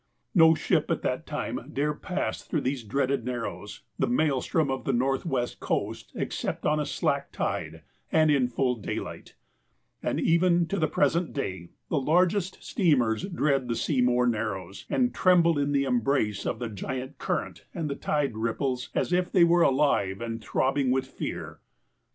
No ship at that time dared pass through these dreaded narrows, the maelstrom of the northwest coast, except on a slack tide, and in full daylight ; and even, to the present day, the largest steamers dread the Seymour Narrows, and tremble in the embrace of the giant current and tide rip ples as if they were alive and throbbing with fear.